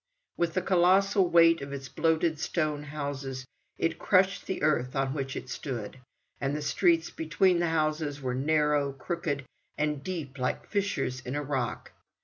With the colossal weight of its bloated stone houses, it crushed the earth on which it stood; and the streets between the houses were narrow, crooked, and deep like fissures in a rock.